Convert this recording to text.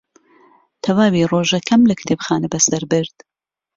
تەواوی ڕۆژەکەم لە کتێبخانە بەسەر برد.